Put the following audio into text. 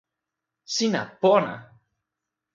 sina pona!